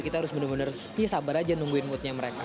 kita harus benar benar sabar aja nungguin moodnya mereka